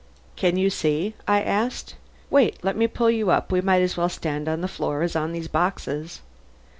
"Can you see?" I asked. "Wait! let me pull you up; we might as well stand on the floor as on these boxes."